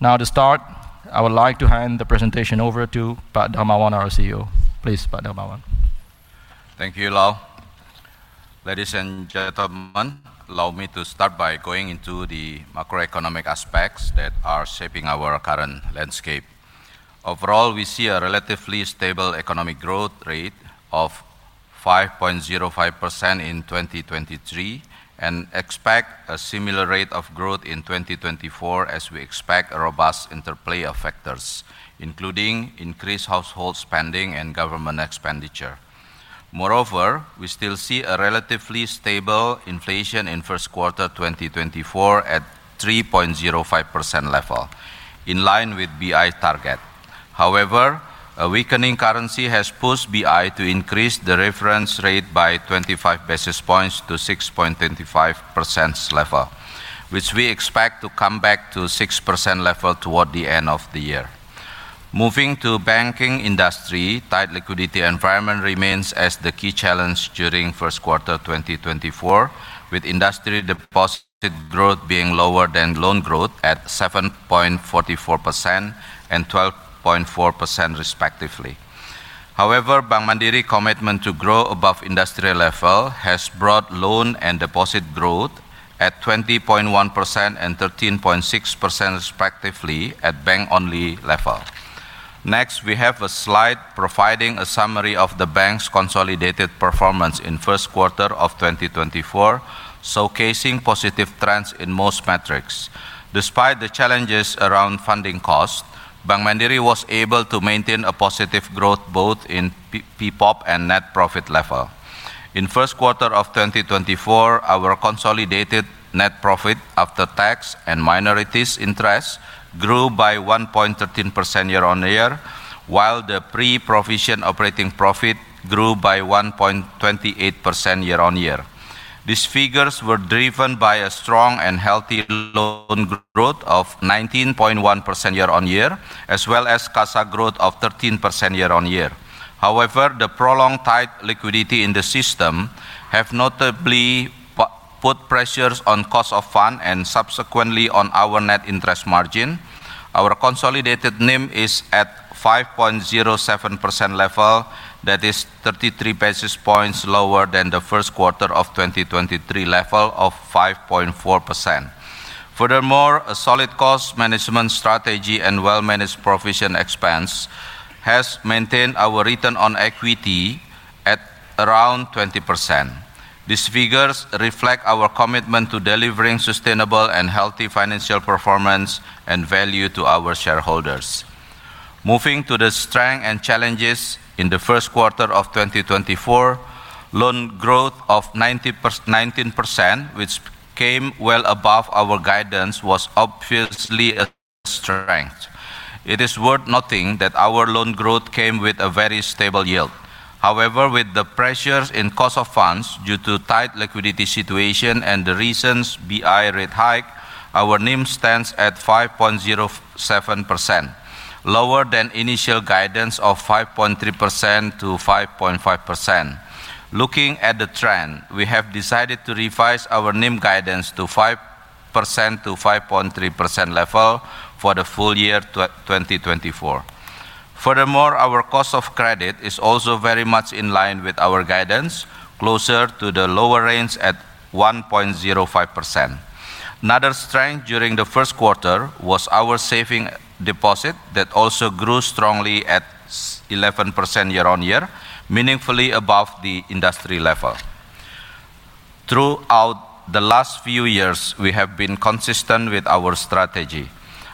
Now to start, I would like to hand the presentation over to Pak Darmawan, our CEO. Please, Pak Darmawan. Thank you, Lau. Ladies and gentlemen, allow me to start by going into the macroeconomic aspects that are shaping our current landscape. Overall, we see a relatively stable economic growth rate of 5.05% in 2023, and expect a similar rate of growth in 2024, as we expect a robust interplay of factors, including increased household spending and government expenditure. Moreover, we still see a relatively stable inflation in first quarter 2024 at 3.05% level, in line with BI target. However, a weakening currency has pushed BI to increase the reference rate by 25 basis points to 6.25% level, which we expect to come back to 6% level toward the end of the year. Moving to banking industry, tight liquidity environment remains as the key challenge during first quarter 2024, with industry deposit growth being lower than loan growth at 7.44% and 12.4% respectively. However, Bank Mandiri commitment to grow above industry level has brought loan and deposit growth at 20.1% and 13.6% respectively at bank-only level. Next, we have a slide providing a summary of the bank's consolidated performance in first quarter of 2024, showcasing positive trends in most metrics. Despite the challenges around funding costs, Bank Mandiri was able to maintain a positive growth, both in PPOP and net profit level. In first quarter of 2024, our consolidated net profit after tax and minorities' interest grew by 1.13% year-on-year, while the pre-provision operating profit grew by 1.28% year-on-year. These figures were driven by a strong and healthy loan growth of 19.1% year-on-year, as well as CASA growth of 13% year-on-year. However, the prolonged tight liquidity in the system have notably put pressures on cost of fund and subsequently on our net interest margin. Our consolidated NIM is at 5.07% level, that is 33 basis points lower than the first quarter of 2023 level of 5.4%. Furthermore, a solid cost management strategy and well-managed provision expense has maintained our return on equity at around 20%. These figures reflect our commitment to delivering sustainable and healthy financial performance and value to our shareholders. Moving to the strength and challenges in the first quarter of 2024, loan growth of 19%, which came well above our guidance, was obviously a strength. It is worth noting that our loan growth came with a very stable yield. However, with the pressures in cost of funds due to tight liquidity situation and the recent BI Rate hike, our NIM stands at 5.07%, lower than initial guidance of 5.3%-5.5%. Looking at the trend, we have decided to revise our NIM guidance to 5%-5.3% level for the full year 2024. Furthermore, our cost of credit is also very much in line with our guidance, closer to the lower range at 1.05%. Another strength during the first quarter was our savings deposit that also grew strongly at 11% year-on-year, meaningfully above the industry level. Throughout the last few years, we have been consistent with our strategy.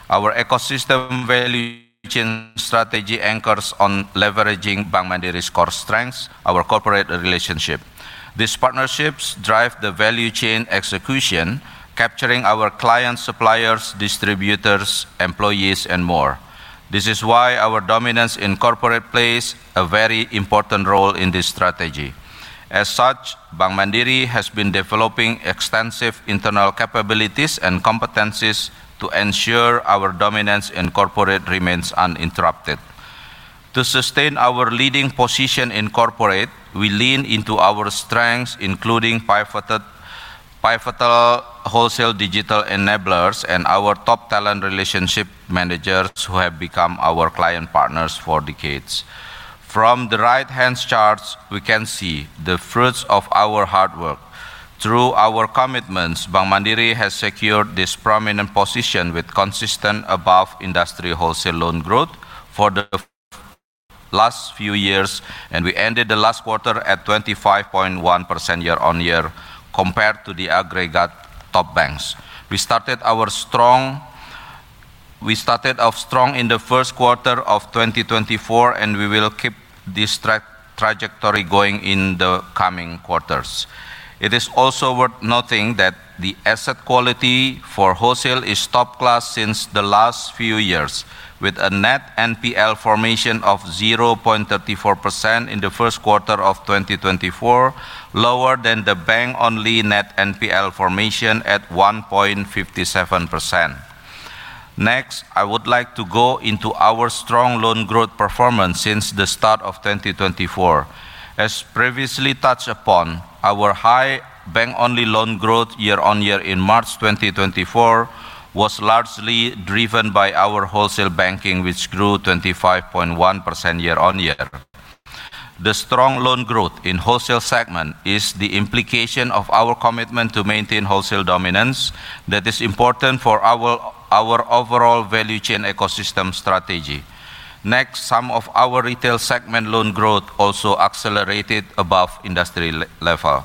Our ecosystem value chain strategy anchors on leveraging Bank Mandiri's core strengths, our corporate relationship. These partnerships drive the value chain execution, capturing our clients, suppliers, distributors, employees, and more. This is why our dominance in corporate plays a very important role in this strategy. As such, Bank Mandiri has been developing extensive internal capabilities and competencies to ensure our dominance in corporate remains uninterrupted. To sustain our leading position in corporate, we lean into our strengths, including pivotal wholesale digital enablers and our top talent relationship managers who have become our client partners for decades. From the right-hand charts, we can see the fruits of our hard work. Through our commitments, Bank Mandiri has secured this prominent position with consistent above-industry wholesale loan growth for the last few years, and we ended the last quarter at 25.1% year-on-year compared to the aggregate top banks. We started off strong in the first quarter of 2024, and we will keep this trajectory going in the coming quarters. It is also worth noting that the asset quality for wholesale is top class since the last few years, with a net NPL formation of 0.34% in the first quarter of 2024, lower than the bank-only net NPL formation at 1.57%. Next, I would like to go into our strong loan growth performance since the start of 2024. As previously touched upon, our high bank-only loan growth year-on-year in March 2024 was largely driven by our wholesale banking, which grew 25.1% year-on-year. The strong loan growth in wholesale segment is the implication of our commitment to maintain wholesale dominance that is important for our overall value chain ecosystem strategy. Next, some of our retail segment loan growth also accelerated above industry level.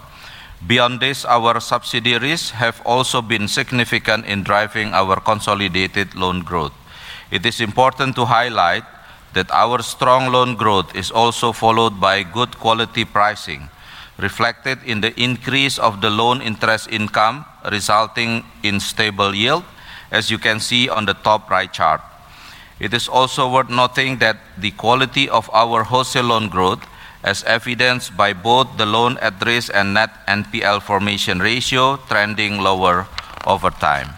Beyond this, our subsidiaries have also been significant in driving our consolidated loan growth. It is important to highlight that our strong loan growth is also followed by good quality pricing, reflected in the increase of the loan interest income, resulting in stable yield, as you can see on the top right chart. It is also worth noting that the quality of our wholesale loan growth, as evidenced by both the loan at risk and net NPL formation ratio, trending lower over time.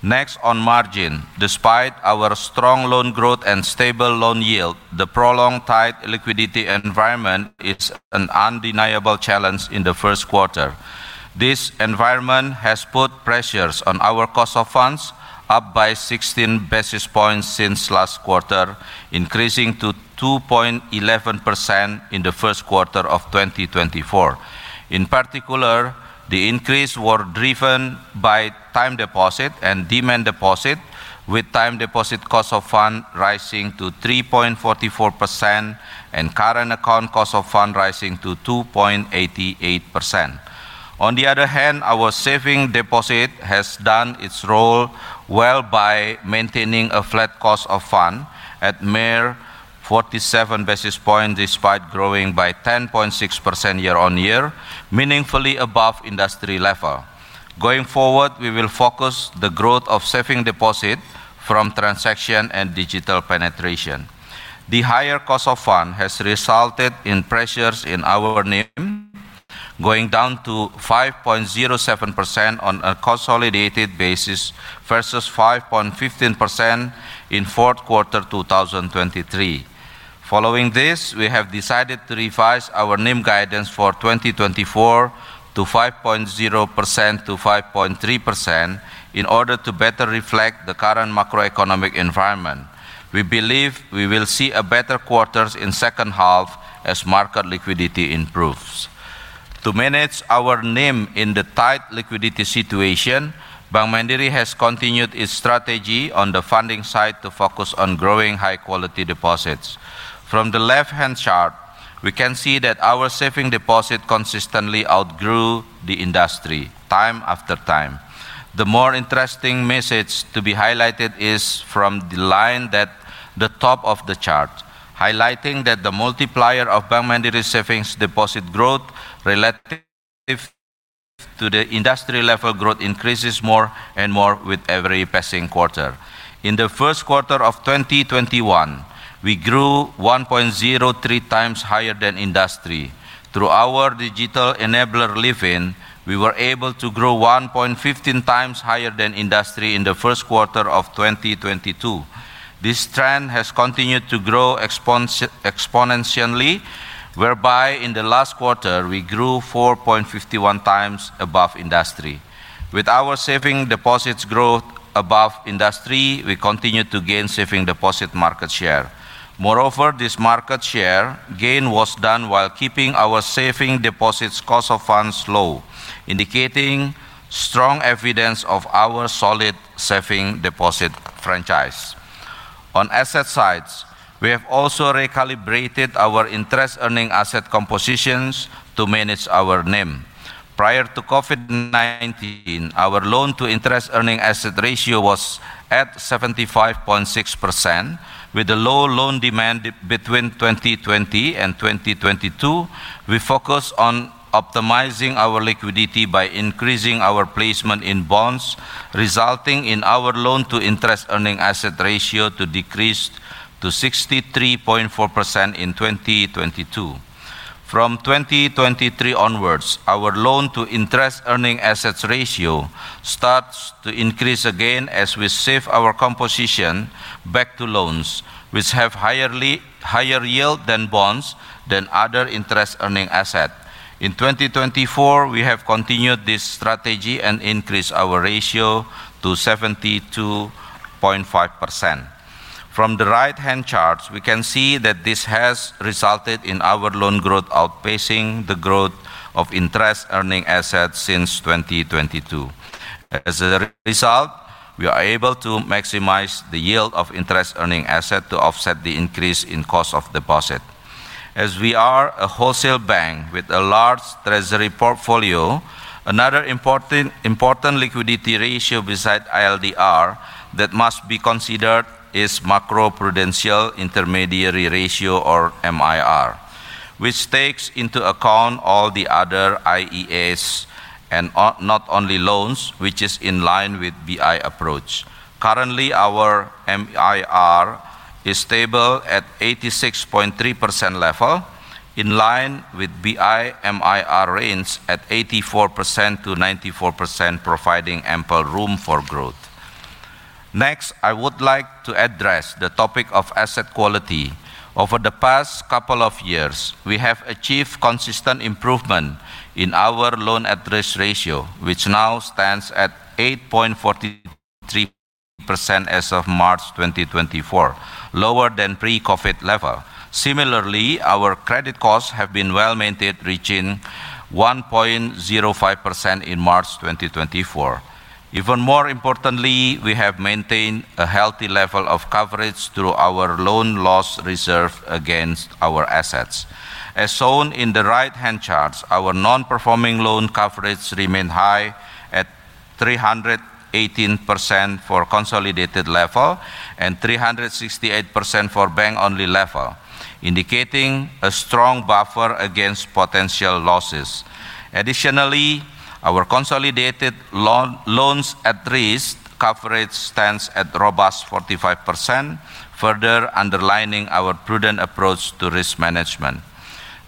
Next, on margin. Despite our strong loan growth and stable loan yield, the prolonged tight liquidity environment is an undeniable challenge in the first quarter. This environment has put pressures on our cost of funds, up by 16 basis points since last quarter, increasing to 2.11% in the first quarter of 2024. In particular, the increase were driven by time deposit and demand deposit, with time deposit cost of fund rising to 3.44% and current account cost of fund rising to 2.88%. On the other hand, our saving deposit has done its role well by maintaining a flat cost of fund at mere 47 basis points, despite growing by 10.6% year-on-year, meaningfully above industry level. Going forward, we will focus the growth of saving deposit from transaction and digital penetration. The higher cost of fund has resulted in pressures in our NIM, going down to 5.07% on a consolidated basis, versus 5.15% in fourth quarter 2023. Following this, we have decided to revise our NIM guidance for 2024 to 5.0%-5.3% in order to better reflect the current macroeconomic environment. We believe we will see a better quarters in second half as market liquidity improves. To manage our NIM in the tight liquidity situation, Bank Mandiri has continued its strategy on the funding side to focus on growing high-quality deposits. From the left-hand chart, we can see that our savings deposit consistently outgrew the industry, time after time. The more interesting message to be highlighted is from the line that the top of the chart, highlighting that the multiplier of Bank Mandiri savings deposit growth relative to the industry level growth increases more and more with every passing quarter. In the first quarter of 2021, we grew 1.03x higher than industry. Through our digital enabler, Livin', we were able to grow 1.15x higher than industry in the first quarter of 2022. This trend has continued to grow exponentially, whereby in the last quarter, we grew 4.51x above industry. With our saving deposits growth above industry, we continued to gain saving deposit market share. Moreover, this market share gain was done while keeping our saving deposits cost of funds low, indicating strong evidence of our solid saving deposit franchise. On asset sides, we have also recalibrated our interest-earning asset compositions to manage our NIM. Prior to COVID-19, our loan-to-interest-earning asset ratio was at 75.6%. With the low loan demand between 2020 and 2022, we focused on optimizing our liquidity by increasing our placement in bonds, resulting in our loan-to-interest-earning asset ratio to decrease to 63.4% in 2022. From 2023 onwards, our loan-to-interest-earning assets ratio starts to increase again as we shift our composition back to loans, which have higher yield than bonds than other interest-earning asset. In 2024, we have continued this strategy and increased our ratio to 72.5%. From the right-hand charts, we can see that this has resulted in our loan growth outpacing the growth of interest-earning assets since 2022. As a result, we are able to maximize the yield of interest-earning asset to offset the increase in cost of deposit. As we are a wholesale bank with a large treasury portfolio, another important liquidity ratio beside LDR that must be considered is Macroprudential Intermediary Ratio, or MIR, which takes into account all the other IEAs and not only loans, which is in line with BI approach. Currently, our MIR is stable at 86.3% level, in line with BI MIR range at 84%-94%, providing ample room for growth. Next, I would like to address the topic of asset quality. Over the past couple of years, we have achieved consistent improvement in our loan at-risk ratio, which now stands at 8.43% as of March 2024, lower than pre-COVID level. Similarly, our credit costs have been well-maintained, reaching 1.05% in March 2024. Even more importantly, we have maintained a healthy level of coverage through our loan loss reserve against our assets. As shown in the right-hand charts, our non-performing loan coverage remained high at 318% for consolidated level and 368% for bank-only level, indicating a strong buffer against potential losses. Additionally, our consolidated loan, loans at risk coverage stands at robust 45%, further underlining our prudent approach to risk management.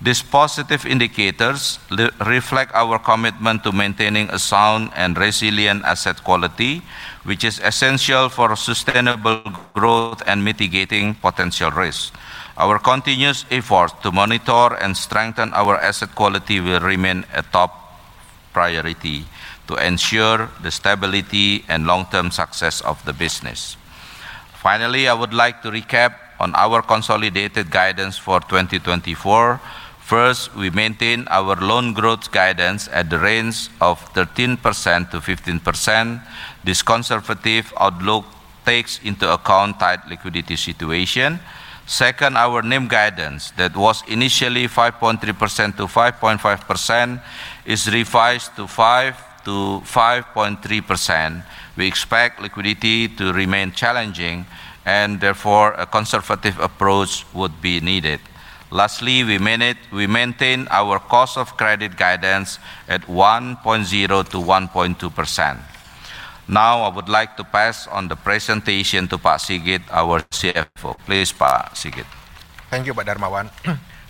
These positive indicators reflect our commitment to maintaining a sound and resilient asset quality, which is essential for sustainable growth and mitigating potential risks. Our continuous effort to monitor and strengthen our asset quality will remain a top priority to ensure the stability and long-term success of the business. Finally, I would like to recap on our consolidated guidance for 2024. First, we maintain our loan growth guidance at the range of 13%-15%. This conservative outlook takes into account tight liquidity situation. Second, our NIM guidance, that was initially 5.3%-5.5%, is revised to 5%-5.3%. We expect liquidity to remain challenging, and therefore, a conservative approach would be needed. Lastly, we maintain our cost of credit guidance at 1.0%-1.2%. Now, I would like to pass on the presentation to Pak Sigit, our CFO. Please, Pak Sigit. Thank you, Pak Darmawan.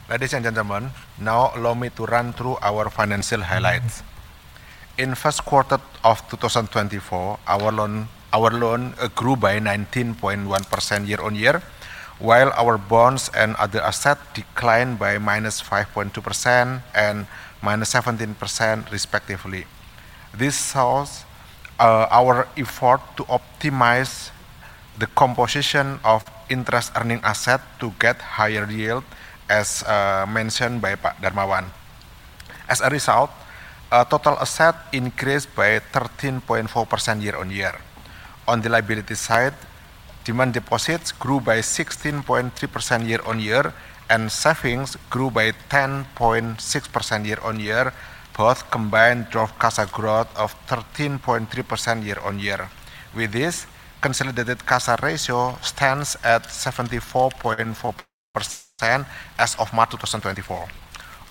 Ladies and gentlemen, now allow me to run through our financial highlights. In first quarter of 2024, our loan grew by 19.1% year-on-year, while our bonds and other assets declined by -5.2% and -17%, respectively. This shows our effort to optimize the composition of interest-earning asset to get higher yield, as mentioned by Pak Darmawan. As a result, total asset increased by 13.4% year-on-year. On the liability side, demand deposits grew by 16.3% year-on-year, and savings grew by 10.6% year-on-year, both combined drove CASA growth of 13.3% year-on-year. With this, consolidated CASA ratio stands at 74.4% as of March 2024.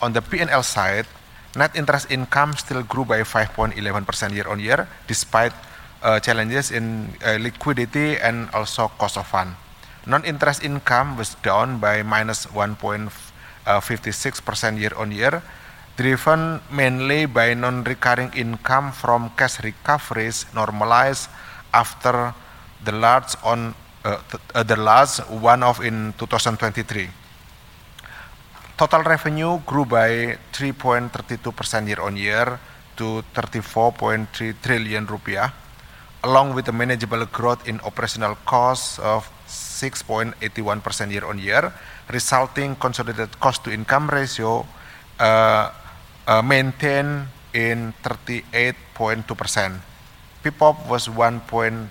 On the P&L side, net interest income still grew by 5.11% year-on-year, despite challenges in liquidity and also cost of fund. Non-interest income was down by -1.56% year-on-year, driven mainly by non-recurring income from cash recoveries normalized after the large one-off in 2023. Total revenue grew by 3.32% year-on-year to 34.3 trillion rupiah, along with a manageable growth in operational costs of 6.81% year-on-year, resulting consolidated cost-to-income ratio maintained in 38.2%. BI Rate was 1.28%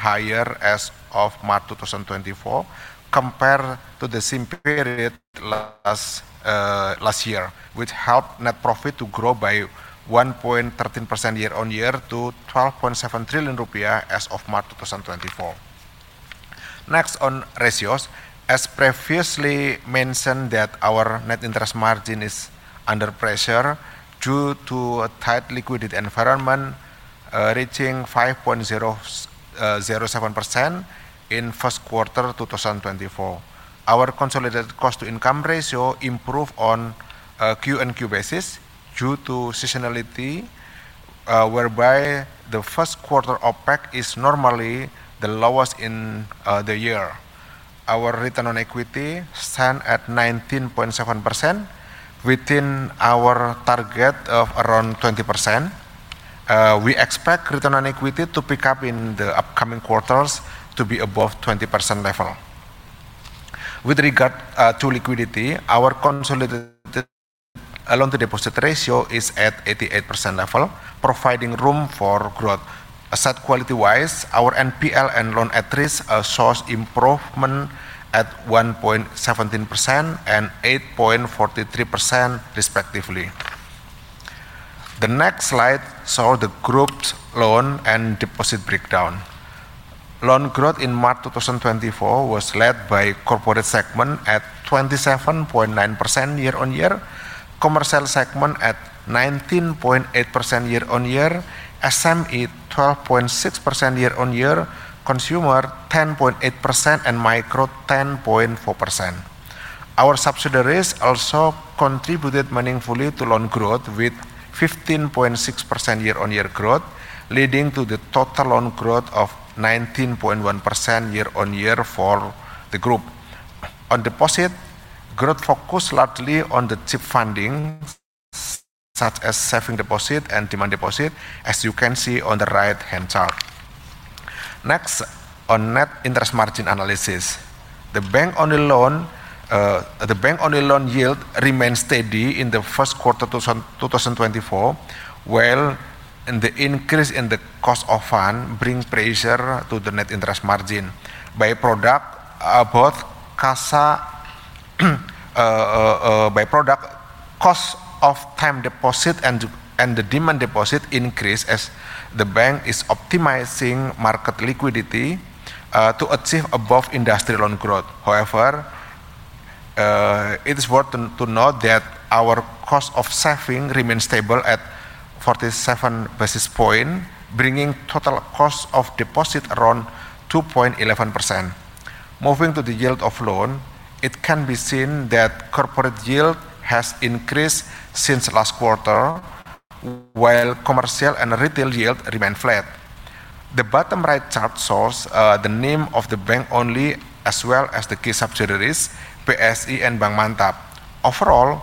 higher as of March 2024, compared to the same period last year, which helped net profit to grow by 1.13% year-on-year to 12.7 trillion rupiah as of March 2024. Next, on ratios. As previously mentioned, our net interest margin is under pressure due to a tight liquidity environment, reaching 5.007% in first quarter 2024. Our consolidated cost-to-income ratio improved on Q-on-Q basis due to seasonality, whereby the first quarter OpEx is normally the lowest in the year. Our return on equity stand at 19.7%, within our target of around 20%. We expect return on equity to pick up in the upcoming quarters to be above 20% level. With regard to liquidity, our consolidated loan-to-deposit ratio is at 88% level, providing room for growth. Asset quality-wise, our NPL and loan at risk shows improvement at 1.17% and 8.43% respectively. The next slide show the group's loan and deposit breakdown. Loan growth in March 2024 was led by corporate segment at 27.9% year-on-year, commercial segment at 19.8% year-on-year, SME 12.6% year-on-year, consumer 10.8%, and micro 10.4%. Our subsidiaries also contributed meaningfully to loan growth with 15.6% year-on-year growth, leading to the total loan growth of 19.1% year-on-year for the group. On deposit, growth focused largely on the cheap funding such as saving deposit and demand deposit, as you can see on the right-hand chart. Next, on net interest margin analysis. The bank-only loan yield remains steady in the first quarter 2024, while the increase in the cost of fund brings pressure to the net interest margin. By product, cost of time deposit and the demand deposit increase as the bank is optimizing market liquidity to achieve above industry loan growth. However, it is worth to note that our cost of saving remains stable at 47 basis points, bringing total cost of deposit around 2.11%. Moving to the yield of loan, it can be seen that corporate yield has increased since last quarter, while commercial and retail yield remain flat. The bottom right chart shows the NIM of the bank-only, as well as the key subsidiaries, BSI and Bank Mantap. Overall,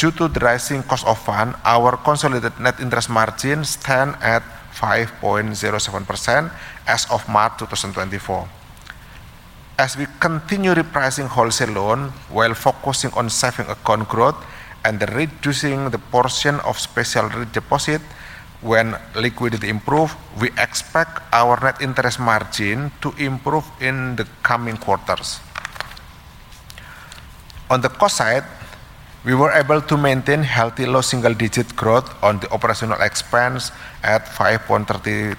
due to the rising cost of fund, our consolidated net interest margin stands at 5.07% as of March 2024. As we continue repricing wholesale loan, while focusing on saving account growth and reducing the portion of special deposit when liquidity improve, we expect our net interest margin to improve in the coming quarters. On the cost side, we were able to maintain healthy, low-single-digit growth on the operational expense at 5.33%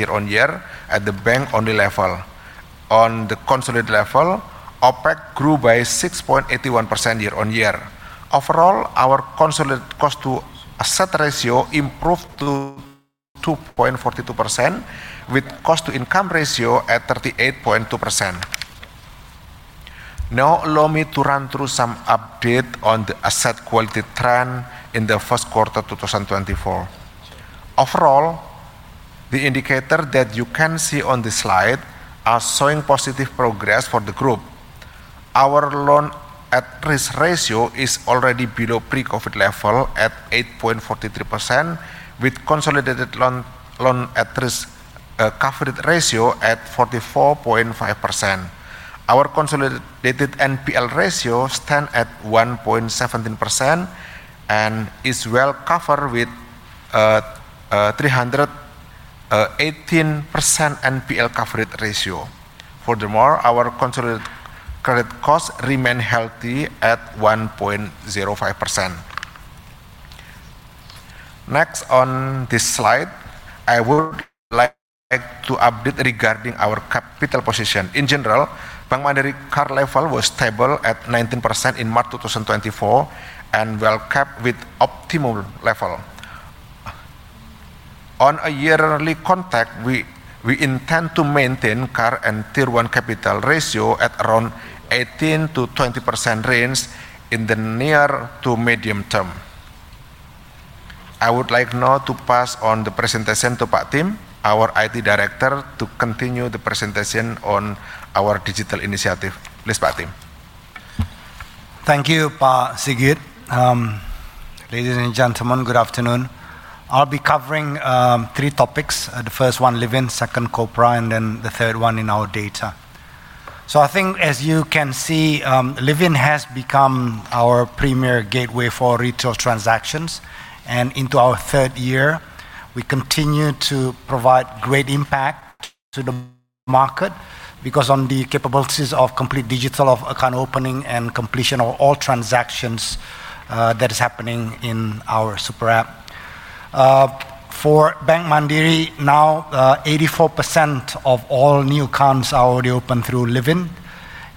year-on-year at the bank-only level. On the consolidated level, OpEx grew by 6.81% year-on-year. Overall, our consolidated cost to asset ratio improved to 2.42%, with cost to income ratio at 38.2%. Now, allow me to run through some update on the asset quality trend in the first quarter 2024. Overall, the indicator that you can see on this slide are showing positive progress for the group. Our loan at risk ratio is already below pre-COVID level at 8.43%, with consolidated loan, loan at risk, coverage ratio at 44.5%. Our consolidated NPL ratio stand at 1.17% and is well covered with, 318% percent NPL coverage ratio. Furthermore, our consolidated credit costs remain healthy at 1.05%. Next, on this slide, I would like to update regarding our capital position. In general, Bank Mandiri CAR level was stable at 19% in March 2024, and well-kept with optimal level. On a yearly context, we intend to maintain CAR and Tier 1 capital ratio at around 18%-20% range in the near to medium term. I would like now to pass on the presentation to Pak Tim, our IT Director, to continue the presentation on our digital initiative. Please, Pak Tim. Thank you, Pak Sigit. Ladies and gentlemen, good afternoon. I'll be covering three topics. The first one, Livin', second, Kopra, and then the third one in our data. So I think as you can see, Livin' has become our premier gateway for retail transactions, and into our third year, we continue to provide great impact to the market, because on the capabilities of complete digital of account opening and completion of all transactions, that is happening in our super app. For Bank Mandiri, now, 84% of all new accounts are already opened through Livin',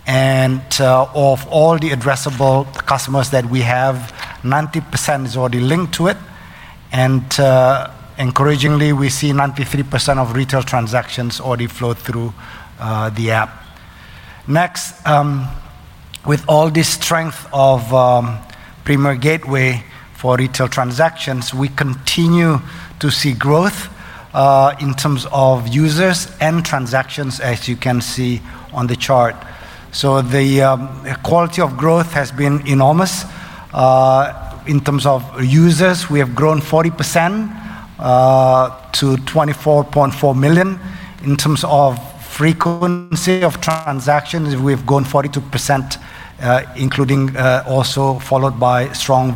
and, of all the addressable customers that we have, 90% is already linked to it, and, encouragingly, we see 93% of retail transactions already flow through, the app. Next, with all the strength of premier gateway for retail transactions, we continue to see growth in terms of users and transactions, as you can see on the chart. So the quality of growth has been enormous. In terms of users, we have grown 40% to 24.4 million. In terms of frequency of transactions, we've grown 42%, including also followed by strong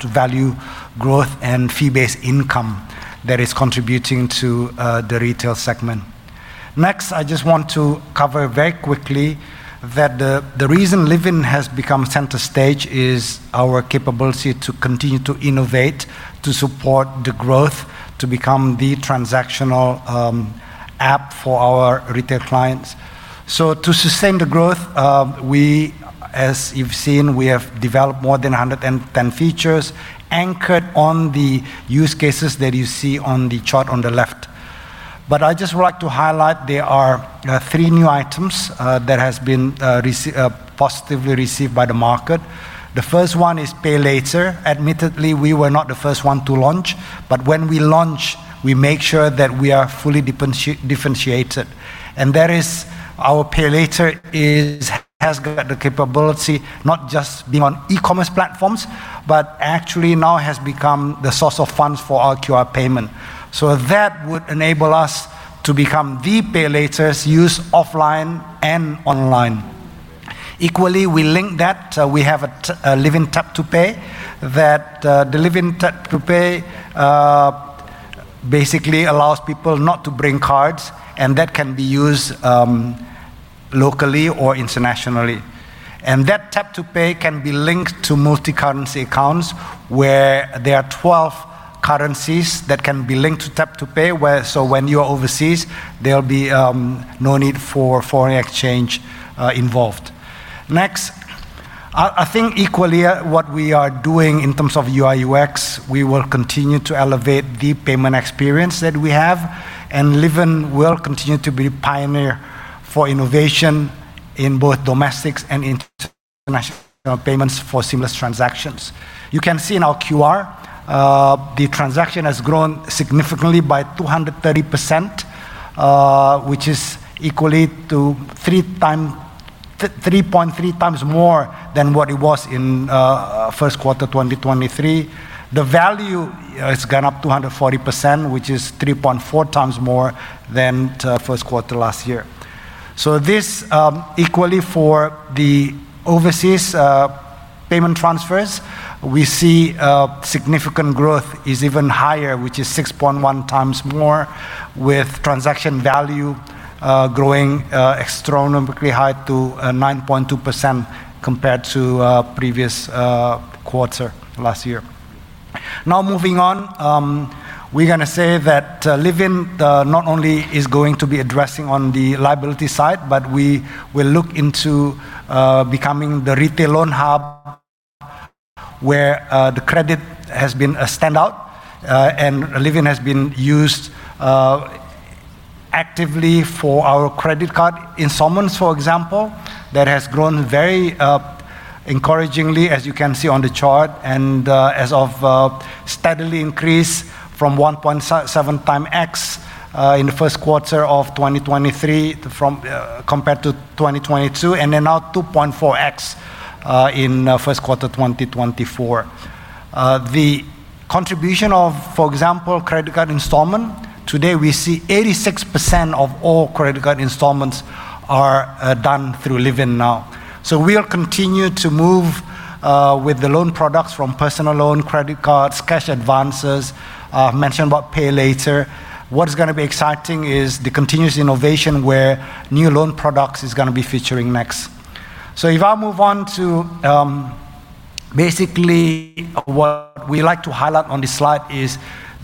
value growth and fee-based income that is contributing to the retail segment. Next, I just want to cover very quickly that the reason Livin' has become center stage is our capability to continue to innovate, to support the growth, to become the transactional app for our retail clients. So to sustain the growth, we, as you've seen, we have developed more than 110 features, anchored on the use cases that you see on the chart on the left. But I'd just like to highlight, there are three new items that has been positively received by the market. The first one is pay later. Admittedly, we were not the first one to launch, but when we launch, we make sure that we are fully differentiated. And that is our pay later is, has got the capability, not just being on e-commerce platforms, but actually now has become the source of funds for our QR payment. So that would enable us to become the pay laters used offline and online. Equally, we link that, we have a Livin' Tap to Pay, that, the Livin' Tap to Pay, basically allows people not to bring cards, and that can be used, locally or internationally. And that Tap to Pay can be linked to multi-currency accounts, where there are 12 currencies that can be linked to Tap to Pay, so when you're overseas, there'll be, no need for foreign exchange, involved. Next, I think equally, what we are doing in terms of UI/UX, we will continue to elevate the payment experience that we have, and Livin' will continue to be pioneer for innovation in both domestic and in international, payments for seamless transactions. You can see in our QR, the transaction has grown significantly by 230%, which is equal to 3.3x more than what it was in first quarter 2023. The value has gone up 240%, which is 3.4x more than the first quarter last year. So this equally for the overseas payment transfers, we see a significant growth is even higher, which is 6.1x more, with transaction value growing astronomically high to 9.2% compared to previous quarter last year. Now, moving on, we're gonna say that, Livin', not only is going to be addressing on the liability side, but we will look into, becoming the retail loan hub, where, the credit has been a standout. And Livin' has been used, actively for our credit card installments, for example, that has grown very, encouragingly, as you can see on the chart, and, as of, steadily increased from 1.7x, in the first quarter of 2023, from, compared to 2022, and then now 2.4x, in, first quarter 2024. The contribution of, for example, credit card installment, today, we see 86% of all credit card installments are, done through Livin' now. So we'll continue to move with the loan products from personal loan, credit cards, cash advances, mentioned about pay later. What is gonna be exciting is the continuous innovation, where new loan products is gonna be featuring next. So if I move on to, basically, what we like to highlight on this slide is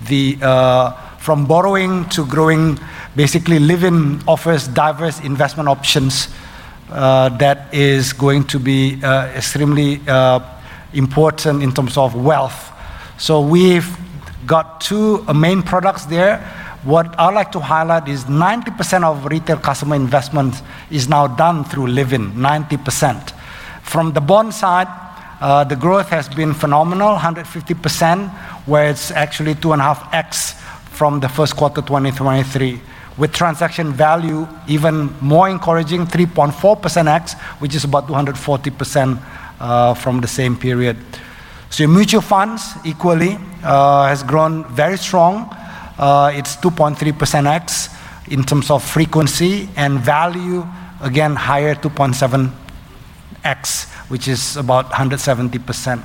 the, from borrowing to growing, basically, Livin' offers diverse investment options that is going to be extremely important in terms of wealth. So we've got two main products there. What I'd like to highlight is 90% of retail customer investment is now done through Livin', 90%. From the bond side, the growth has been phenomenal, 150%, where it's actually 2.5x from the first quarter 2023, with transaction value even more encouraging, 3.4x, which is about 240%, from the same period. So mutual funds, equally, has grown very strong. It's 2.3x in terms of frequency and value, again, higher, 2.7x, which is about 170%.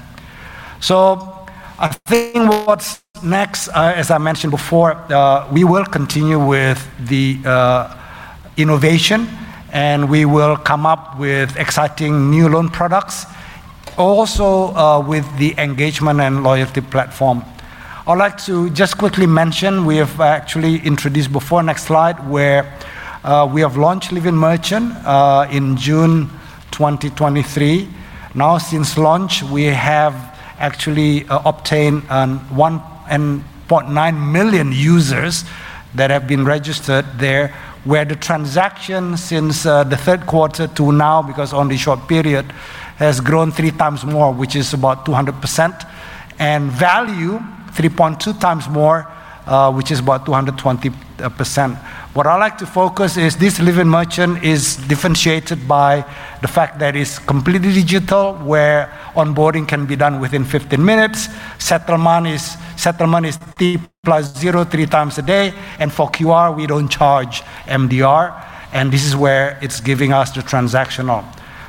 So I think what's next, as I mentioned before, we will continue with the innovation, and we will come up with exciting new loan products, also, with the engagement and loyalty platform. I'd like to just quickly mention, we have actually introduced before, next slide, where we have launched Livin' Merchant in June 2023. Now, since launch, we have actually obtained 1.9 million users that have been registered there, where the transaction since the third quarter to now, because only short period, has grown three times more, which is about 200%, and value, 3.2x more, which is about 220%. What I'd like to focus is this Livin' Merchant is differentiated by the fact that it's completely digital, where onboarding can be done within 15 minutes, settlement is, settlement is T+0, three times a day, and for QR, we don't charge MDR, and this is where it's giving us the transactional.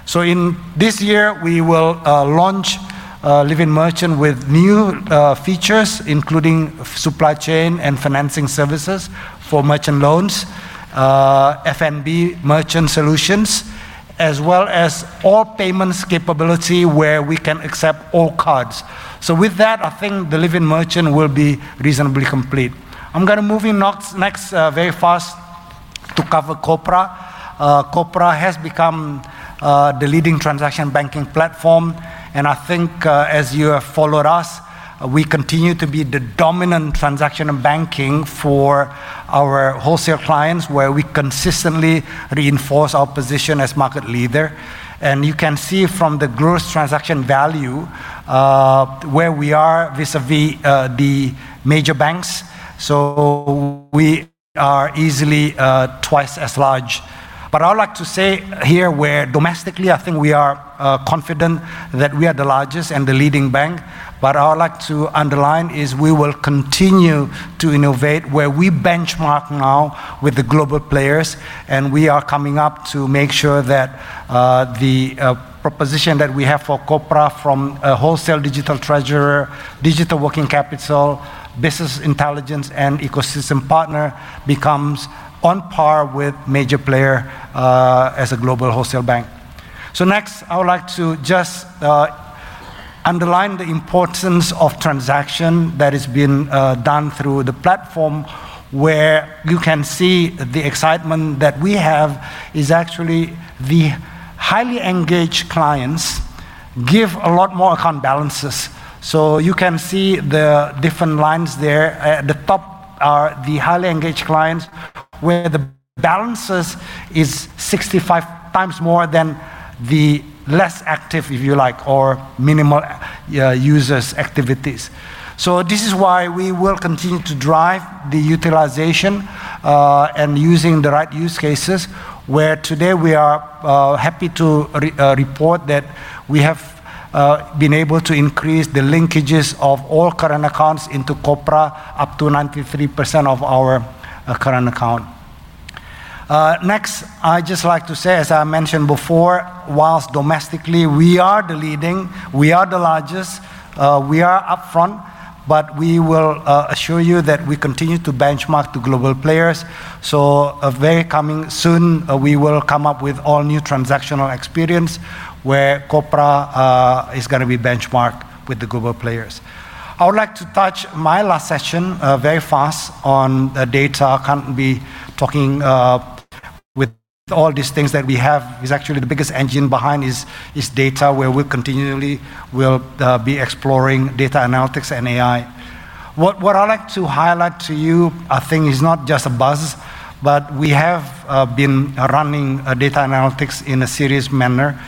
So in this year, we will launch Livin' Merchant with new features, including supply chain and financing services for merchant loans, F&B merchant solutions, as well as all payments capability, where we can accept all cards. So with that, I think the Livin' Merchant will be reasonably complete. I'm gonna move in next, next, very fast to cover Kopra. Kopra has become the leading transaction banking platform, and I think, as you have followed us, we continue to be the dominant transaction in banking for our wholesale clients, where we consistently reinforce our position as market leader. And you can see from the gross transaction value, where we are vis-a-vis the major banks, so we are easily twice as large. But I'd like to say here, where domestically, I think we are confident that we are the largest and the leading bank, but I would like to underline is we will continue to innovate, where we benchmark now with the global players, and we are coming up to make sure that the proposition that we have for Kopra from a wholesale digital treasurer, digital working capital, business intelligence, and ecosystem partner, becomes on par with major player as a global wholesale bank. So next, I would like to just underline the importance of transaction that has been done through the platform, where you can see the excitement that we have is actually the highly engaged clients give a lot more account balances. So you can see the different lines there. The top are the highly engaged clients, where the balances is 65x more than the less active, if you like, or minimal, users' activities. So this is why we will continue to drive the utilization, and using the right use cases, where today we are happy to report that we have been able to increase the linkages of all current accounts into Kopra up to 93% of our current account. Next, I'd just like to say, as I mentioned before, while domestically we are the leading, we are the largest, we are up front, but we will assure you that we continue to benchmark to global players. So a very coming soon, we will come up with all-new transactional experience, where Kopra is gonna be benchmarked with the global players. I would like to touch my last session, very fast on the data. I can't be talking, with all these things that we have. It's actually the biggest engine behind is data, where we continually will be exploring data analytics and AI. What I'd like to highlight to you, I think is not just a buzz, but we have been running data analytics in a serious manner.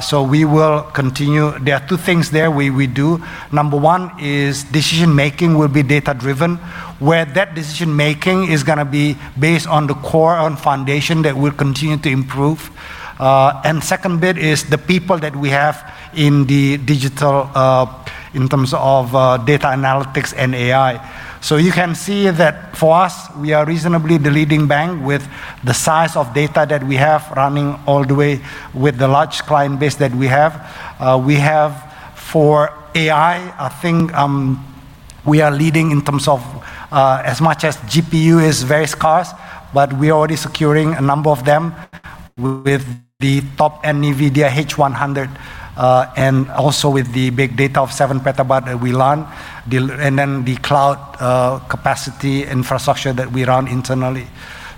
So we will continue. There are two things there we do. Number one is decision-making will be data-driven, where that decision-making is gonna be based on the core, on foundation that we'll continue to improve. And second bit is the people that we have in the digital, in terms of data analytics and AI. So you can see that for us, we are reasonably the leading bank with the size of data that we have running all the way with the large client base that we have. We have for AI, I think, we are leading in terms of, as much as GPU is very scarce, but we're already securing a number of them with the top NVIDIA H100, and also with the big data of 7 PB that we learn, and then the cloud, capacity infrastructure that we run internally.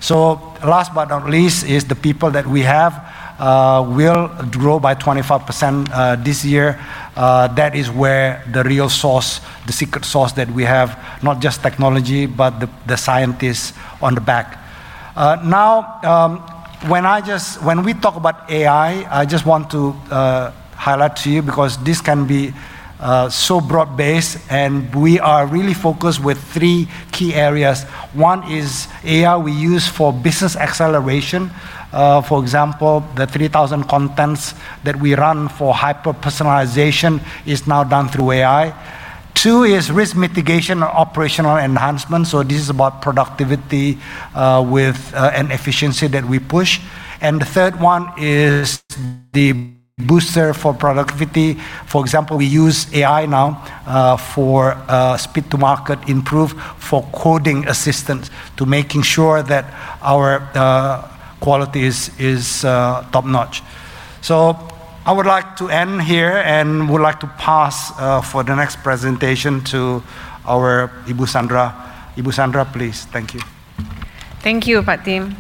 So last but not least, is the people that we have, will grow by 25%, this year. That is where the real sauce, the secret sauce that we have, not just technology, but the scientists on the back. When we talk about AI, I just want to highlight to you because this can be so broad-based, and we are really focused with three key areas. One is AI we use for business acceleration. For example, the 3,000 contents that we run for hyper-personalization is now done through AI. Two is risk mitigation or operational enhancement, so this is about productivity with an efficiency that we push. And the third one is the booster for productivity. For example, we use AI now for speed to market, improve for coding assistance, to making sure that our quality is top-notch. So I would like to end here, and would like to pass for the next presentation to our Ibu Sandra. Ibu Sandra, please. Thank you. Thank you, Pak Tim.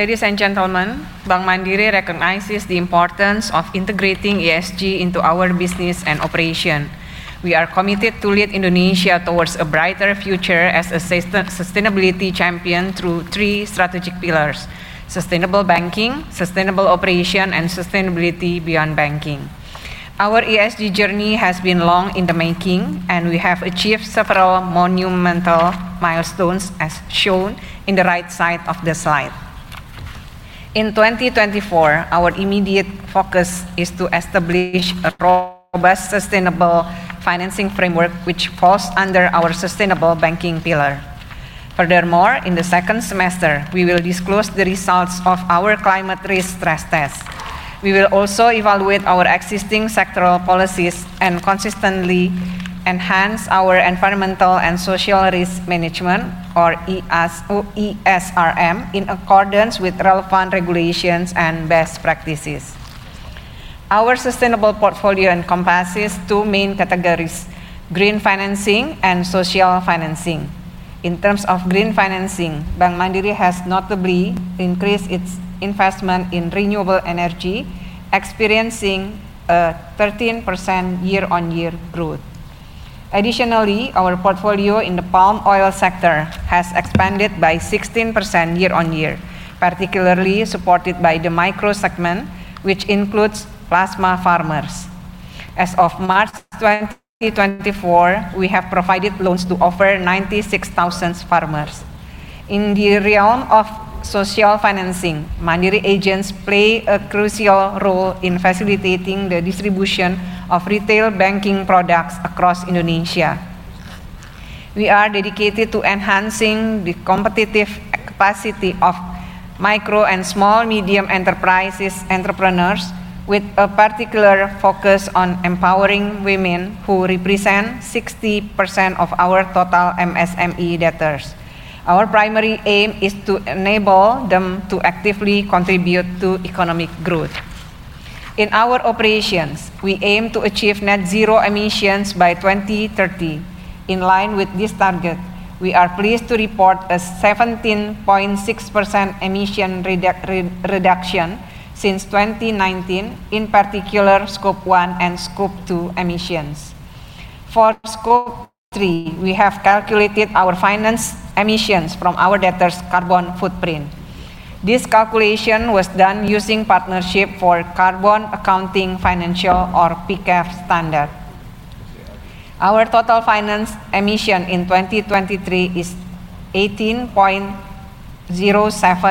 Ladies and gentlemen, Bank Mandiri recognizes the importance of integrating ESG into our business and operation. We are committed to lead Indonesia towards a brighter future as a sustainability champion through three strategic pillars: sustainable banking, sustainable operation, and sustainability beyond banking. Our ESG journey has been long in the making, and we have achieved several monumental milestones, as shown in the right side of the slide. In 2024, our immediate focus is to establish a robust, sustainable financing framework which falls under our sustainable banking pillar. Furthermore, in the second semester, we will disclose the results of our climate risk stress test. We will also evaluate our existing sectoral policies and consistently enhance our environmental and social risk management, or ESRM, in accordance with relevant regulations and best practices. Our sustainable portfolio encompasses two main categories: green financing and social financing. In terms of green financing, Bank Mandiri has notably increased its investment in renewable energy, experiencing a 13% year-on-year growth. Additionally, our portfolio in the palm oil sector has expanded by 16% year-on-year, particularly supported by the micro segment, which includes plasma farmers. As of March 2024, we have provided loans to over 96,000 farmers. In the realm of social financing, Mandiri agents play a crucial role in facilitating the distribution of retail banking products across Indonesia. We are dedicated to enhancing the competitive capacity of micro and small medium enterprises entrepreneurs, with a particular focus on empowering women, who represent 60% of our total MSME debtors. Our primary aim is to enable them to actively contribute to economic growth. In our operations, we aim to achieve net zero emissions by 2030. In line with this target, we are pleased to report a 17.6% emission reduction since 2019, in particular, scope one and scope two emissions. For scope three, we have calculated our finance emissions from our debtors' carbon footprint. This calculation was done using Partnership for Carbon Accounting Financials, or PCAF, standard. Our total finance emission in 2023 is 18.07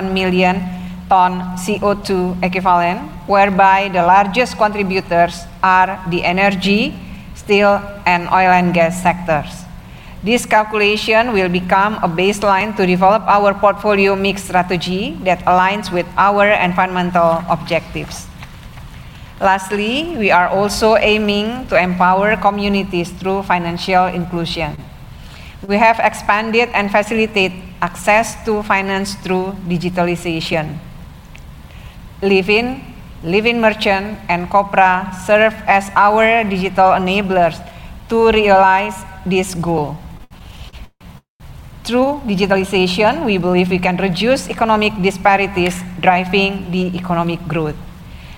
million tons CO2 equivalent, whereby the largest contributors are the energy, steel, and oil and gas sectors. This calculation will become a baseline to develop our portfolio mix strategy that aligns with our environmental objectives. Lastly, we are also aiming to empower communities through financial inclusion. We have expanded and facilitate access to finance through digitalization. Livin', Livin' Merchant, and Kopra serve as our digital enablers to realize this goal. Through digitalization, we believe we can reduce economic disparities, driving the economic growth.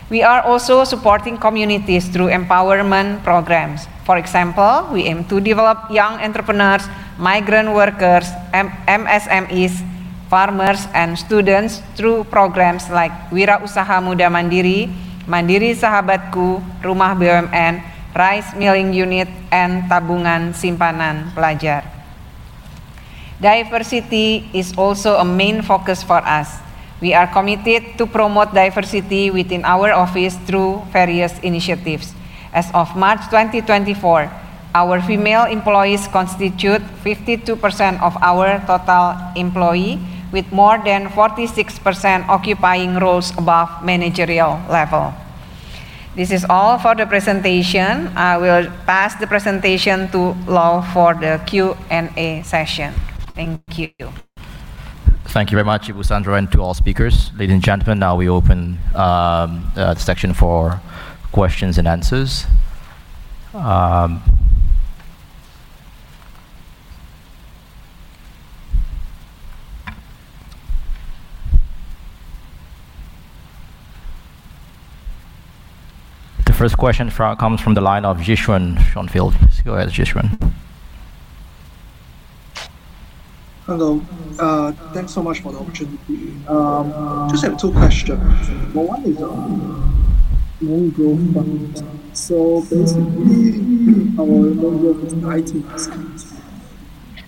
We are also supporting communities through empowerment programs. For example, we aim to develop young entrepreneurs, migrant workers, MSMEs, farmers, and students through programs like Wirausaha Muda Mandiri, Mandiri Sahabatku, Rumah BUMN, Rice Milling Unit, and Tabungan Simpanan Pelajar. Diversity is also a main focus for us. We are committed to promote diversity within our office through various initiatives. As of March 2024, our female employees constitute 52% of our total employee, with more than 46% occupying roles above managerial level. This is all for the presentation. I will pass the presentation to Lau for the Q&A session. Thank you. Thank you very much, Ibu Sandra, and to all speakers. Ladies and gentlemen, now we open the section for questions and answers. The first question comes from the line of Zhixuan, Schonfeld. Go ahead, Zhixuan. Hello. Thanks so much for the opportunity. I just have two questions. Well, one is on loan growth. So basically, our loan growth is 19%,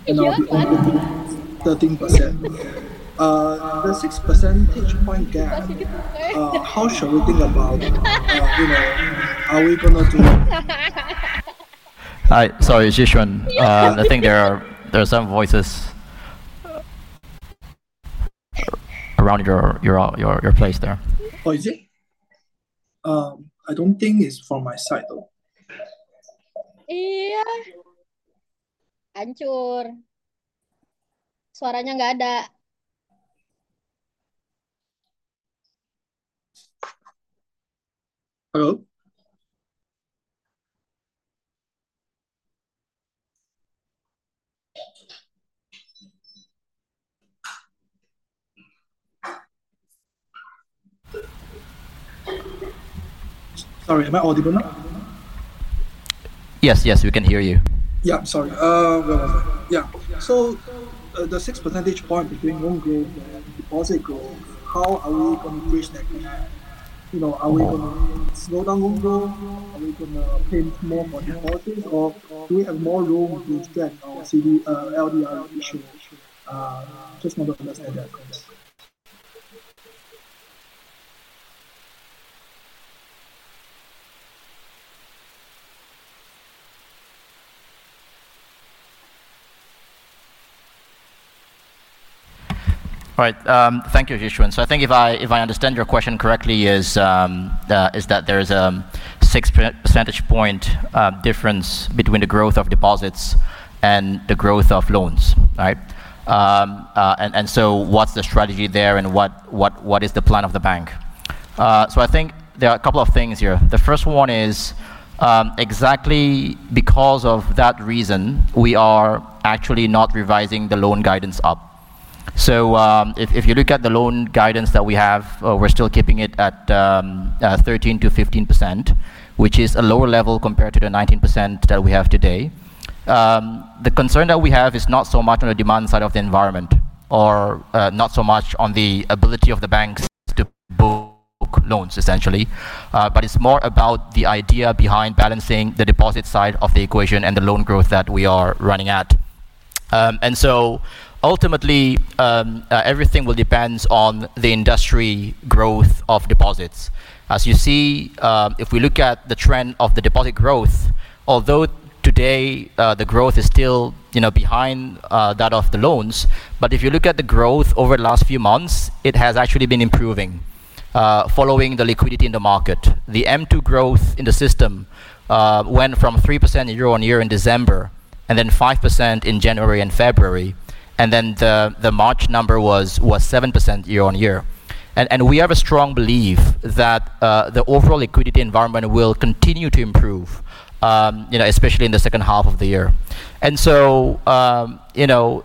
and our deposit 13%. The six percentage point gap, how should we think about? You know, are we gonna do? Hi, sorry, Zhixuan. I think there are some voices around your place there. Oh, is it? I don't think it's from my side, though. Yeah. Hanchur. Hello? Sorry, am I audible now? Yes, yes, we can hear you. Yeah, sorry. Where was I? Yeah. So, the six percentage point between loan growth and deposit growth, how are we gonna bridge that gap? You know, are we gonna slow down loan growth? Are we gonna pay more for deposits, or do we have more room to expand our CD, LDR ratio? Just want to understand that, please. All right. Thank you, Zhixuan. So I think if I understand your question correctly, is that there is a six percentage point difference between the growth of deposits and the growth of loans, right? And so what's the strategy there, and what is the plan of the bank? So I think there are a couple of things here. The first one is exactly because of that reason, we are actually not revising the loan guidance up. So if you look at the loan guidance that we have, we're still keeping it at 13%-15%, which is a lower level compared to the 19% that we have today. The concern that we have is not so much on the demand side of the environment or not so much on the ability of the banks to book loans, essentially. But it's more about the idea behind balancing the deposit side of the equation and the loan growth that we are running at. And so ultimately, everything will depends on the industry growth of deposits. As you see, if we look at the trend of the deposit growth, although today the growth is still, you know, behind that of the loans, but if you look at the growth over the last few months, it has actually been improving following the liquidity in the market. The M2 growth in the system went from 3% year-on-year in December, and then 5% in January and February. And then the March number was 7% year-on-year. And we have a strong belief that the overall liquidity environment will continue to improve, you know, especially in the second half of the year. And so, you know,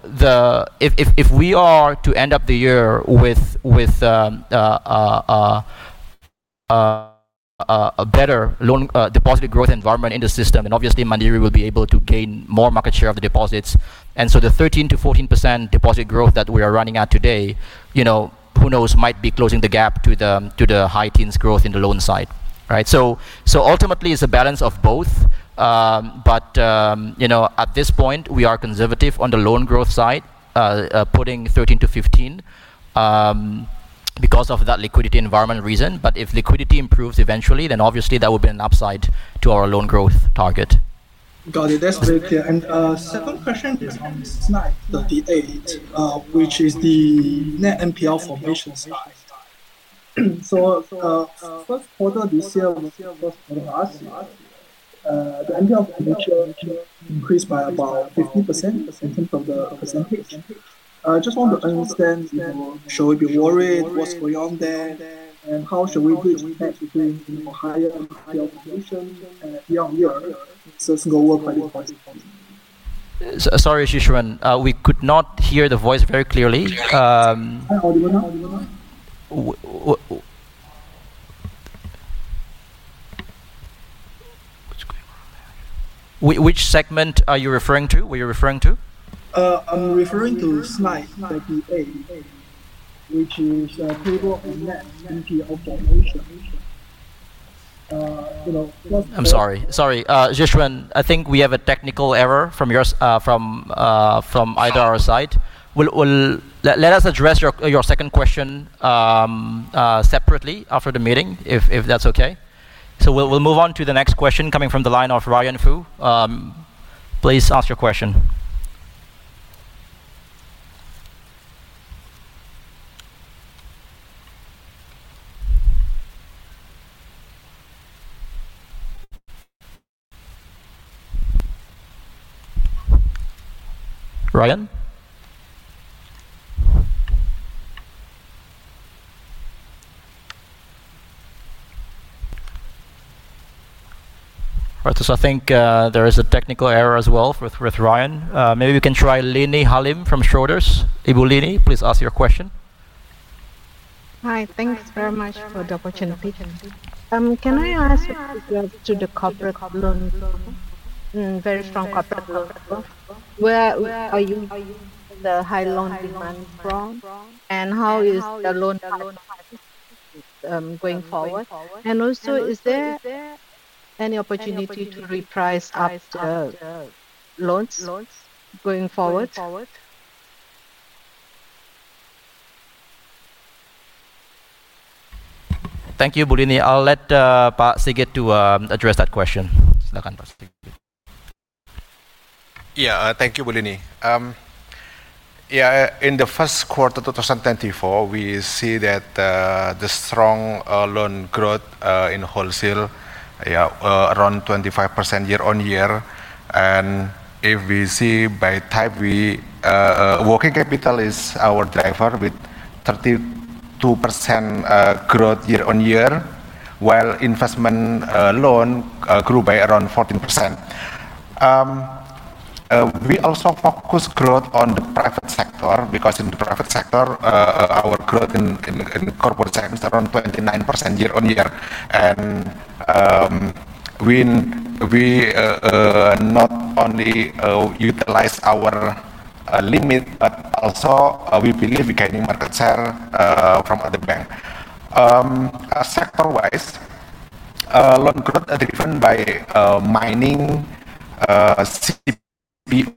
if we are to end up the year with a better loan deposit growth environment in the system, and obviously Mandiri will be able to gain more market share of the deposits. And so the 13%-14% deposit growth that we are running at today, you know, who knows, might be closing the gap to the high teens growth in the loan side, right? So ultimately, it's a balance of both. But, you know, at this point, we are conservative on the loan growth side, putting 13%-15%, because of that liquidity environment reason. But if liquidity improves eventually, then obviously that will be an upside to our loan growth target. Got it. That's very clear. Second question is on slide 38, which is the net NPL formations. First quarter this year was, the NPL formation increased by about 15% in terms of the percentage. I just want to understand, you know, should we be worried? What's going on there, and how should we do to between, you know, higher NPL formation and year-on-year, so it's lower by this point? Sorry, Zhixuan, we could not hear the voice very clearly. Hi, audio now? Which segment are you referring to? Were you referring to? I'm referring to slide 38, which is the table on that NPL formation. You know, first. I'm sorry. Sorry, Zhixuan, I think we have a technical error from yours, from, from either our side. We'll, let us address your second question separately after the meeting, if that's okay. So we'll move on to the next question coming from the line of Ryan Fu. Please ask your question. Ryan? All right, so I think there is a technical error as well with Ryan. Maybe we can try Liny Halim from Schroders. Ibu Liny, please ask your question. Hi, thanks very much for the opportunity. Can I ask with regard to the corporate loan? Very strong corporate loan growth. Where are you the high loan demand from, and how is the loan going forward? And also, is there any opportunity to reprice up, loans, going forward? Thank you, Bu Liny. I'll let Pak Sigit to address that question. Yeah, thank you, Bu Liny. Yeah, in the first quarter, 2024, we see that the strong loan growth in wholesale, yeah, around 25% year-on-year. And if we see by type, we working capital is our driver, with 32% growth year-on-year, while investment loan grew by around 14%. We also focus growth on the private sector, because in the private sector our growth in corporate terms, around 29% year-on-year. And we not only utilize our limit, but also we believe we gaining market share from other bank. Sector-wise, loan growth are different by mining,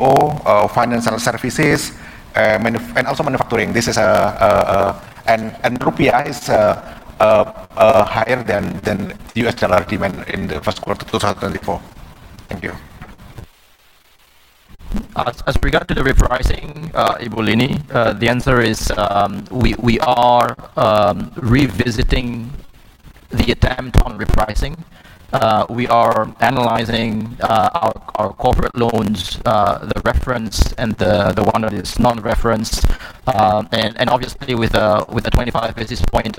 CPO, financial services, and also manufacturing. Rupiah is higher than U.S. dollar demand in the first quarter of 2024. Thank you. As regard to the repricing, Ibu Lini, the answer is, we are revisiting the attempt on repricing. We are analyzing our corporate loans, the reference and the one that is non-reference. And obviously, with the 25 basis points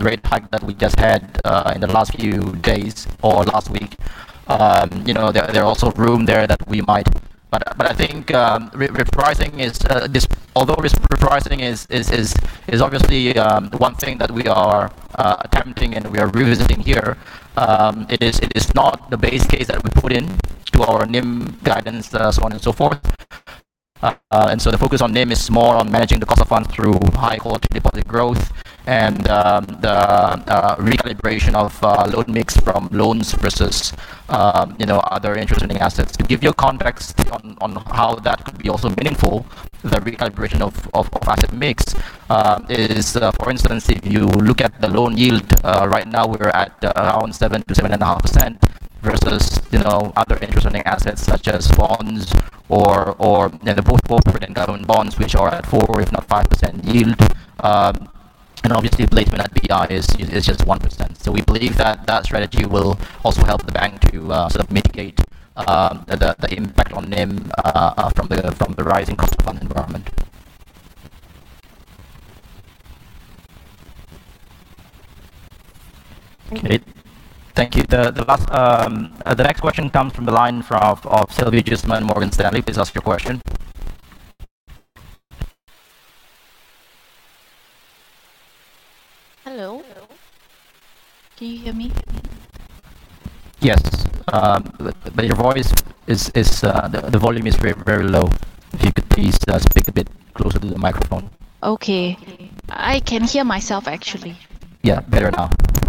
rate hike that we just had in the last few days or last week, you know, there are also room there that we might. But I think, repricing is this, although repricing is obviously one thing that we are attempting and we are revisiting here, it is not the base case that we put in to our NIM guidance, so on and so forth. And so the focus on NIM is more on managing the cost of funds through high-quality deposit growth and the recalibration of loan mix from loans versus, you know, other interest-earning assets. To give you a context on how that could be also meaningful, the recalibration of asset mix is, for instance, if you look at the loan yield, right now, we're at around 7%-7.5% versus, you know, other interest-earning assets such as bonds or the both corporate and government bonds, which are at 4%, if not 5% yield. And obviously, placement at BI is just 1%. So we believe that that strategy will also help the bank to sort of mitigate the impact on NIM from the rising cost of fund environment. Okay, thank you. The next question comes from the line of Selvie Jusman, Morgan Stanley. Please ask your question. Hello, can you hear me? Yes, but your voice is the volume is very, very low. If you could please speak a bit closer to the microphone. Okay. I can hear myself, actually. Yeah, better now.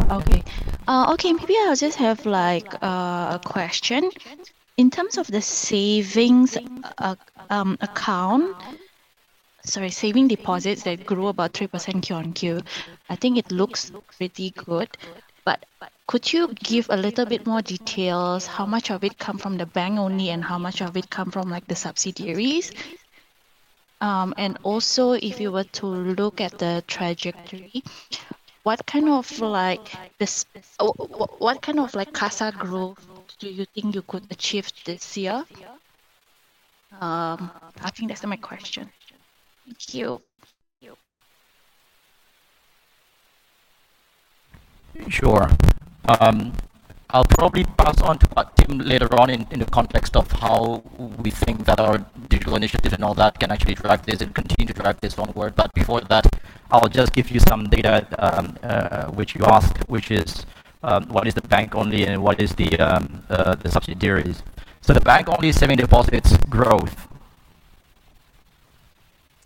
Okay. Okay, maybe I'll just have, like, a question. In terms of the savings account, Sorry, saving deposits that grew about 3% QoQ, I think it looks pretty good, but could you give a little bit more details? How much of it come from the bank only, and how much of it come from, like, the subsidiaries? And also, if you were to look at the trajectory, what kind of, like, CASA growth do you think you could achieve this year? I think that's my question. Thank you. Sure. I'll probably pass on to Pak Tim later on in the context of how we think that our digital initiative and all that can actually drive this and continue to drive this onward. But before that, I'll just give you some data, which you asked, which is what is the bank only and what is the subsidiaries. So the bank-only saving deposits growth.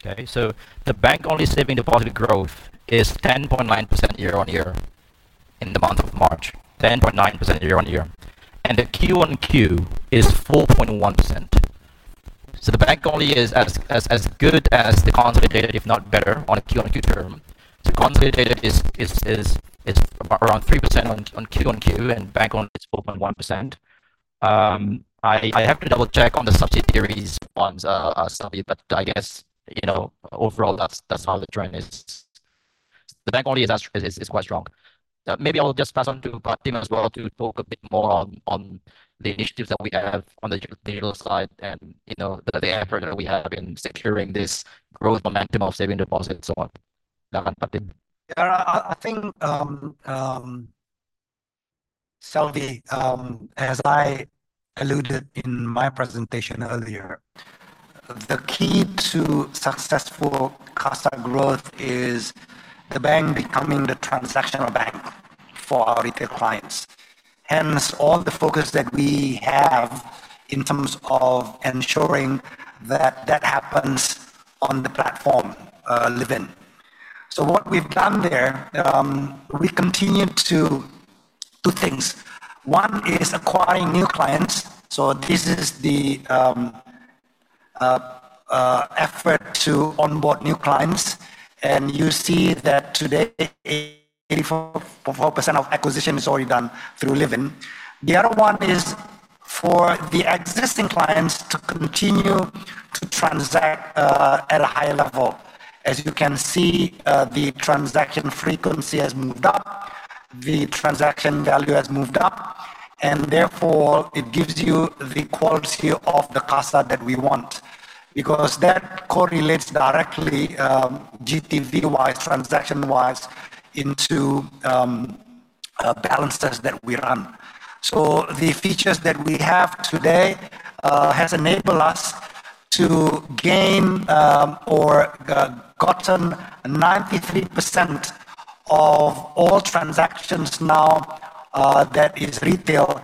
Okay, so the bank-only saving deposit growth is 10.9% year-on-year in the month of March, 10.9% year-on-year, and the QoQ is 4.1%. So the bank only is as good as the consolidated data, if not better, on a QoQ term. So consolidated data is, it's around 3% on QoQ, and bank only is 4.1%. I have to double-check on the subsidiaries ones, Selvie, but I guess, you know, overall, that's how the trend is. The bank only is as is quite strong. Maybe I'll just pass on to Pak Tim as well to talk a bit more on the initiatives that we have on the digital side and, you know, the effort that we have in securing this growth momentum of saving deposits and so on. Go on, Pak Tim. Yeah, I think, Selvie, as I alluded in my presentation earlier, the key to successful CASA growth is the bank becoming the transactional bank for our retail clients. Hence, all the focus that we have in terms of ensuring that that happens on the platform, Livin'. So what we've done there, we continued to two things: One is acquiring new clients, so this is the effort to onboard new clients, and you see that today, 84.4% of acquisition is already done through Livin'. The other one is for the existing clients to continue to transact at a higher level. As you can see, the transaction frequency has moved up, the transaction value has moved up, and therefore, it gives you the quality of the CASA that we want because that correlates directly, GTV-wise, transaction-wise, into balances that we run. So the features that we have today has enabled us to gain or gotten 93% of all transactions now, that is retail,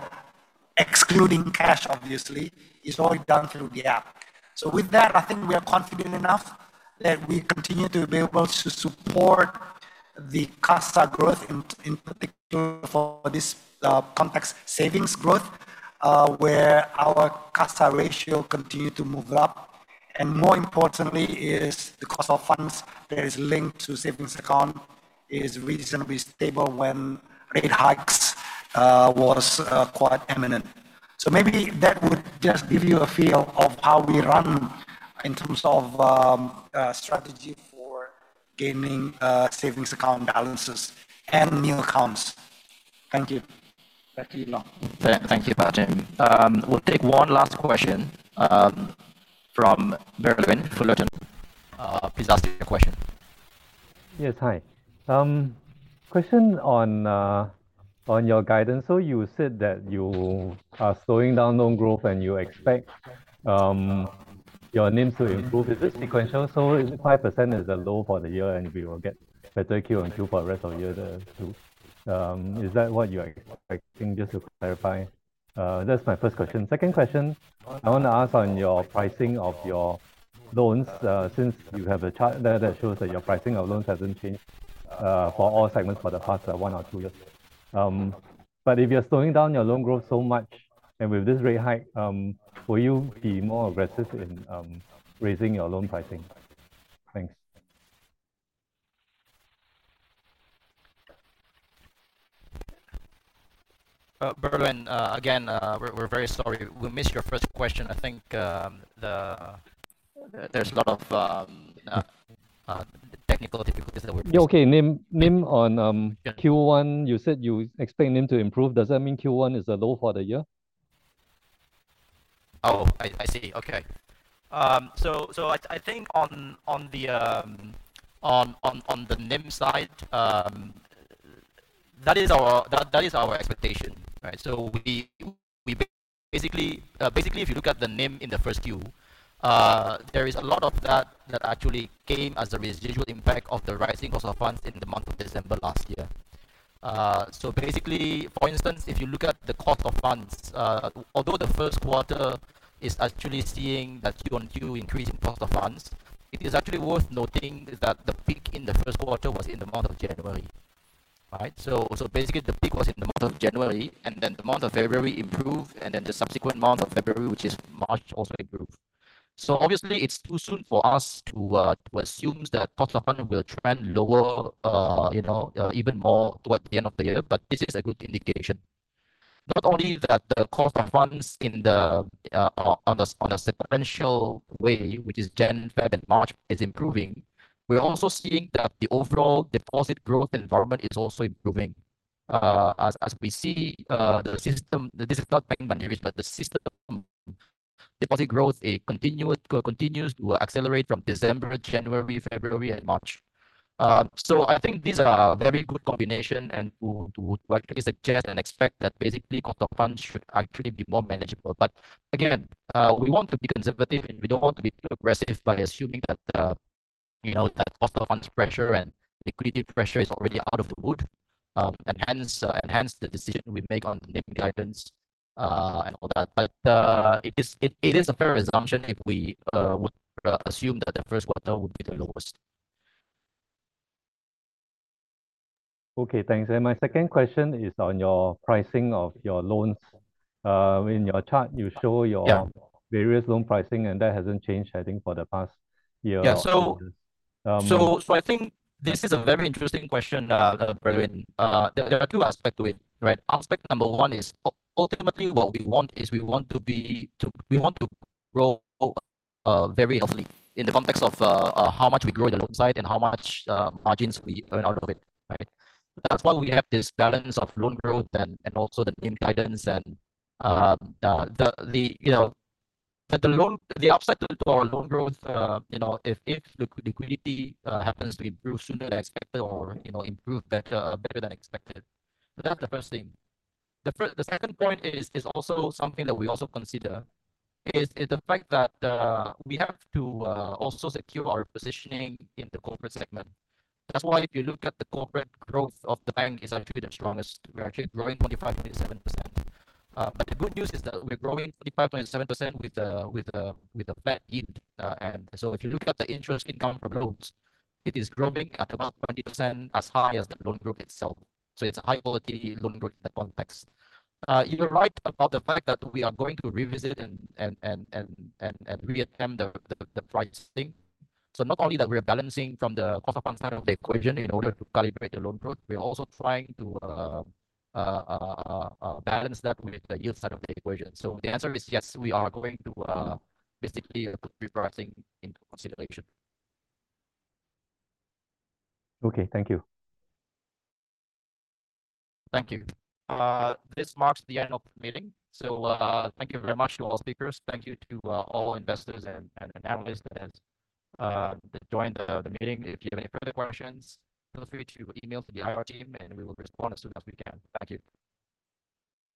excluding cash, obviously, is already done through the app. So with that, I think we are confident enough that we continue to be able to support the CASA growth, in particular, for this context, savings growth, where our CASA ratio continue to move up. And more importantly is the cost of funds that is linked to savings account is reasonably stable when rate hikes was quite imminent. Maybe that would just give you a feel of how we run in terms of strategy for gaining savings account balances and new accounts. Thank you. Back to you now. Thank you, Pak Tim. We'll take one last question from Mervin, Fullerton. Please ask your question. Yes, hi. Question on your guidance. So you said that you are slowing down loan growth and you expect your NIMs to improve. Is it sequential? So is it 5% is the low for the year, and we will get better Q2 for the rest of the year, too? Is that what you are expecting, just to clarify? That's my first question. Second question, I want to ask on your pricing of your loans, since you have a chart there that shows that your pricing of loans hasn't changed for all segments for the past one or two years. But if you're slowing down your loan growth so much, and with this rate hike, will you be more aggressive in raising your loan pricing? Thanks. Mervin, again, we're very sorry. We missed your first question. I think, there's a lot of technical difficulties that we're facing. Yeah, okay. NIM, NIM on Q1, you said you expect NIM to improve. Does that mean Q1 is the low for the year? Oh, I see. Okay. So, I think on the NIM side, that is our expectation, right? So we basically, if you look at the NIM in the first Q, there is a lot of that actually came as a residual impact of the rising cost of funds in the month of December last year. So basically, for instance, if you look at the cost of funds, although the first quarter is actually seeing that year-on-year increase in cost of funds, it is actually worth noting that the peak in the first quarter was in the month of January, right? So, so basically, the peak was in the month of January, and then the month of February improved, and then the subsequent month of February, which is March, also improved. So obviously, it's too soon for us to assume that cost of funding will trend lower, you know, even more towards the end of the year, but this is a good indication. Not only that, the cost of funds on a sequential way, which is Jan, Feb, and March, is improving. We're also seeing that the overall deposit growth environment is also improving. As we see, the system, this is not Bank Mandiri's, but the system deposit growth, it continues to accelerate from December, January, February, and March. So I think these are very good combination and would suggest and expect that basically, cost of funds should actually be more manageable. But again, we want to be conservative, and we don't want to be too aggressive by assuming that, you know, that cost of funds pressure and liquidity pressure is already out of the wood, and hence the decision we make on the NIM guidance, and all that. But it is a fair assumption if we would assume that the first quarter would be the lowest. Okay, thanks. My second question is on your pricing of your loans. In your chart, you show your various loan pricing, and that hasn't changed, I think, for the past year or so. Yeah, so, so, so I think this is a very interesting question, Berwin. There are two aspects to it, right? Aspect number one is, ultimately, what we want is we want to grow very healthy in the context of how much we grow the loan side and how much margins we earn out of it, right? That's why we have this balance of loan growth and also the NIM guidance and, you know, that the loan, the upside to our loan growth, you know, if the liquidity happens to improve sooner than expected or, you know, improve better, better than expected. So that's the first thing. The first, the second point is also something that we also consider, is the fact that we have to also secure our positioning in the corporate segment. That's why if you look at the corporate growth of the bank is actually the strongest. We're actually growing 25.7%. But the good news is that we're growing 25.7% with a flat yield. And so if you look at the interest income for loans, it is growing at about 20% as high as the loan growth itself. So it's a high-quality loan growth in that context. You're right about the fact that we are going to revisit and reattempt the pricing. So not only that we're balancing from the cost of funds side of the equation in order to calibrate the loan growth, we're also trying to balance that with the yield side of the equation. So the answer is yes, we are going to basically put repricing into consideration. Okay, thank you. Thank you. This marks the end of the meeting. So, thank you very much to all speakers. Thank you to all investors and analysts that joined the meeting. If you have any further questions, feel free to email to the IR team, and we will respond as soon as we can. Thank you.